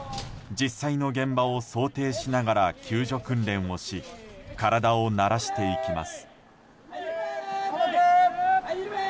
実際の現場を想定しながら救助訓練をし体を慣らしていきます。